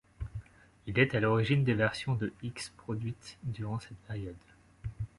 Il est à l'origine des versions de X produites durant cette période.